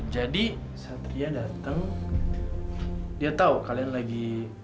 jadi satria datang dia tahu kalian lagi